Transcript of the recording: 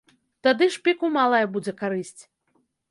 Тады шпіку малая будзе карысць.